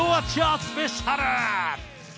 スペシャル。